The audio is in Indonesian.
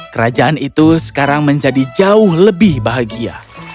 kerajaan itu sekarang menjadi jauh lebih bahagia